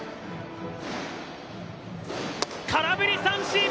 空振り三振！